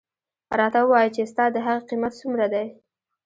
راته ووایه چې ستا د هغې قیمت څومره دی.